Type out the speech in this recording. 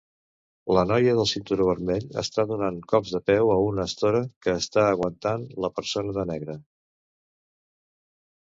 La noia del cinturó vermell està donant cops de peu a una estora que està aguantant la persona de negre.